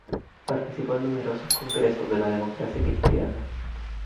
Participó en numerosos congresos de la Democracia Cristiana.